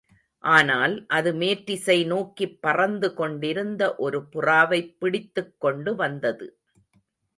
ஆனால் அது மேற்றிசை நோக்கிப் பறந்து கொண்டிருந்த ஒரு புறாவைப் பிடித்துக்கொண்டு வந்தது.